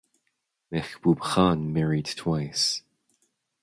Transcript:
Mehboob Khan married twice.